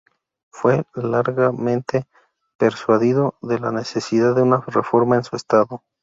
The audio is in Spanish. Fue largamente persuadido de la necesidad de una reforma en su estado.